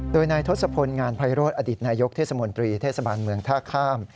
โดยนายทศพลงานไพโรธอดิตนายกเทศมนตรีเทศบาลเมืองท่าข้าม